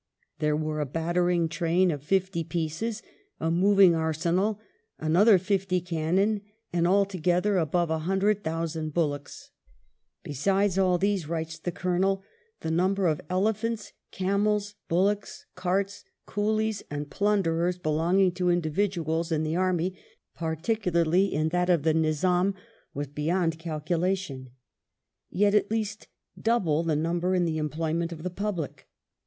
There were a battering train of fifty pieces, "a moving arsenal," another fifty cannon, and altogether above a hundred thousand bullocks. " Besides all these," writes the Colonel, " the number of 38 WELLINGTON chap. elephants, camels, bullocks, carts, coolies, and plunderers belonging to individuals in the army, particularly in that of the Nizam, was beyond calculation," yet at least "double the number in the employment of the public."